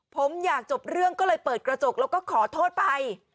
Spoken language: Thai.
ผมอยากจบเรื่องก็เลยเปิดกระจกแล้วก็ขอโทษไป